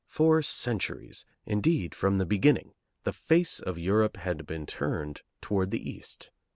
For centuries, indeed from the beginning, the face of Europe had been turned toward the east.